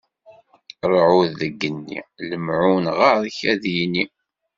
Ṛṛɛud deg yigenni, lemɛun ɣer-k ad yini!